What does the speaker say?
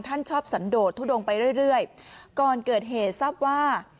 ท่านชอบสันโดดทุดงไปเรื่อยเรื่อยก่อนเกิดเหตุทราบว่า